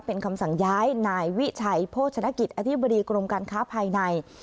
เป็นคำสั่งย้ายนายวิชัยโภชนกิจอธิบดีกรมการค้าภายใน